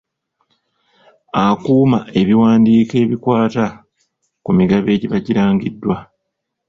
Akuuma ebiwandiko ebikwata ku migabo egiba girangiddwa.